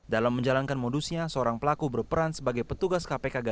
dalam menjalankan modusnya seorang pelaku berperan sebagai petugas kpk